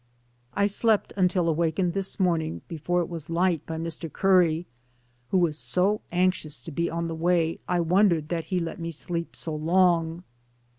I slept until awakened this morning before it was light by Mr. Curry, who was so anxious to be on the way I wondered that he let me sleep so long.